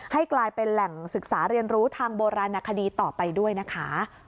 ให้กลายเป็นแหล่งศึกษาเรียนรู้ทางโบราณคดีต่อไปด้วยนะคะ